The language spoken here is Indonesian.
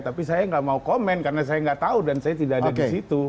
tapi saya nggak mau komen karena saya nggak tahu dan saya tidak ada di situ